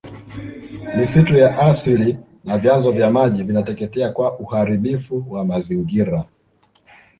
misitu ya asili na vyanzo vya maji vinateketea kwa uharibifu wa mazingira